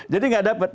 jadi nggak dapet